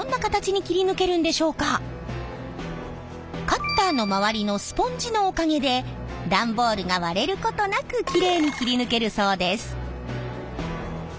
カッターの周りのスポンジのおかげで段ボールが割れることなくきれいに切り抜けるそうです。